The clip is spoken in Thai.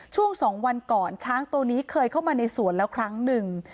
ช่วง๒วันก่อนช้างตัวนี้เคยเข้ามาในสวนแล้วครั้งหนึ่ง